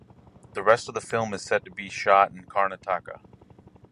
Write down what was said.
The rest of the film is set to be shot in Karnataka.